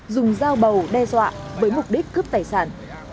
dùng dao bầu đe dọa với mục đích cướp tài sản